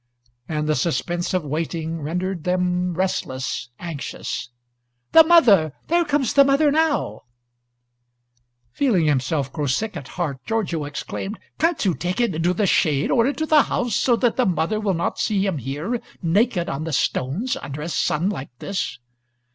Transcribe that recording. And the suspense of waiting rendered them restless, anxious. "The mother! There comes the mother now!" Feeling himself grow sick at heart, Giorgio exclaimed, "Can't you take him into the shade, or into a house, so that the mother will not see him here naked on the stones, under a sun like this?"